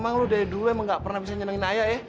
emang lu dari dulu emang gak pernah bisa nyenangin ayah ya